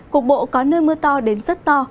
cục bộ có nơi mưa to đến rất to